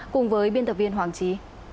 cùng với biên tập viên hoàng trí